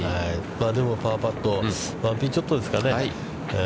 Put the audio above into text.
でも、パーパット、ワンピンちょっとですかね。